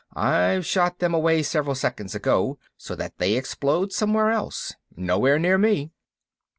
I've shot them away several seconds ago, so that they explode somewhere else, nowhere near me."